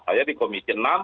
saya di komisi enam